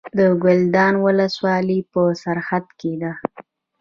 د کلدار ولسوالۍ په سرحد کې ده